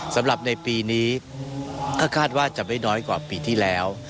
สำหรับในปีนี้ถ้าคาดว่าจะไม่น้อยกว่าปีที่แล้ว